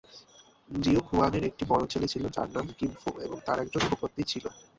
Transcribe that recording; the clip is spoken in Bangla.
ডিউক হুয়ানের একটি বড় ছেলে ছিল যার নাম কিংফু এবং তার একজন উপপত্নী ছিল।